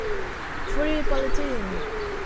Free Palestine!